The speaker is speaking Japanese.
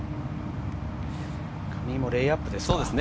上井もレイアップですか？